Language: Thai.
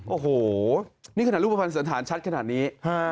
โอ้โหนี่ขนาดรูปภัณฑ์สันธารชัดขนาดนี้